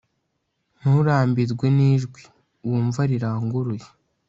Nturambirwe nijwi Wumva riranguruye